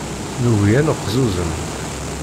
Nugi ad neqzuzem.